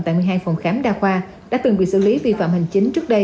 tại một mươi hai phòng khám đa khoa đã từng bị xử lý vi phạm hành chính trước đây